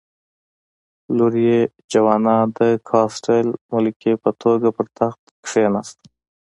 لور یې جوانا د کاسټل ملکې په توګه پر تخت کېناسته.